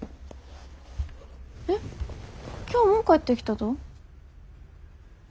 えっ今日もう帰ってきたと？